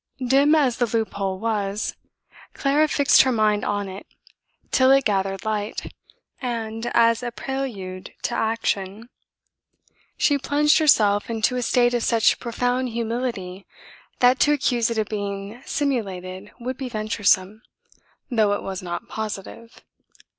Dim as the loop hole was, Clara fixed her mind on it till it gathered light. And as a prelude to action, she plunged herself into a state of such profound humility, that to accuse it of being simulated would be venturesome, though it was not positive.